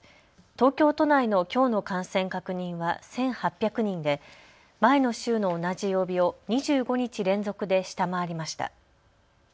東京都内のきょうの感染確認は１８００人で前の週の同じ曜日を２５日連続で下回りました。